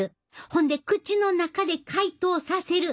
ほんで口の中で解凍させる。